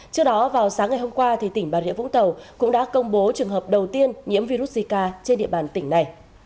trước đó vào sáng ngày hôm qua tỉnh bà rịa vũng tàu cũng đã công bố trường hợp đầu tiên nhiễm virus zika trên địa bàn tỉnh này